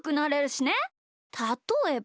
たとえば。